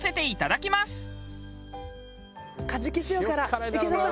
いただきます！